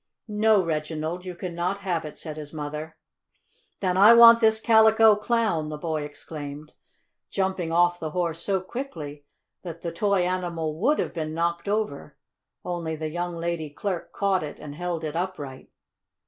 "No, Reginald, you cannot have it," said his mother, "Then I want this Calico Clown!" the boy exclaimed, jumping off the horse so quickly that the toy animal would have been knocked over, only the young lady clerk caught it and held it upright.